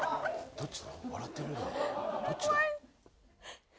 どっちだ？